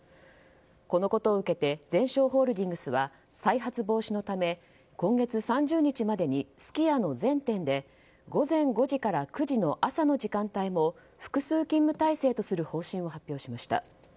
このことを受けてゼンショーホールディングスは再発防止のため今月３０日までにすき家の全店で午前５時から９時の朝の時間帯も複数勤務体制とする方針を発表しました。